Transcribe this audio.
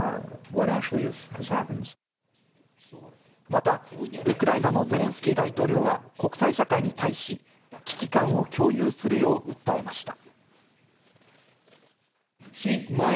またウクライナのゼレンスキー大統領は国際社会に対し、危機感を共有するよう訴えました。